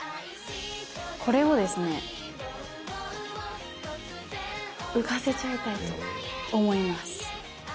これをですね浮かせちゃいたいと思います。